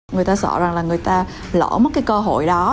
người ta sợ rằng là người ta lỡ mất cái cơ hội đó